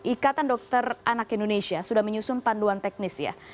ikatan dokter anak indonesia sudah menyusun panduan teknis ya